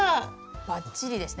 ばっちりですね。